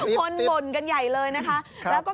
คนบ่นกันใหญ่เลยนะคะ